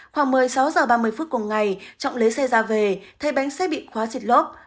khoảng một mươi sáu h ba mươi phút cùng ngày trọng lấy xe ra về thấy bánh xe bị khóa xịt lốp